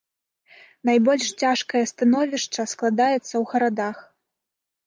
Найбольш цяжкае становішча складаецца ў гарадах.